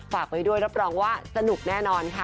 ฝากไว้ด้วยรับรองว่าสนุกแน่นอนค่ะ